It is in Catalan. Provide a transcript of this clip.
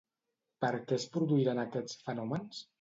Per què es produiran aquests fenòmens?